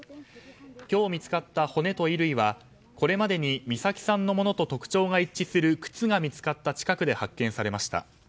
今日見つかった骨と衣類はこれまでに美咲さんのものと特徴が一致する靴が見つかった近くで発見されました。